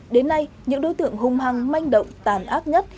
đến nay những đối tượng hung hăng manh động tàn ác nhất